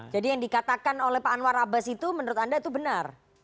jadi yang dikatakan oleh pak anwar abbas itu menurut anda itu benar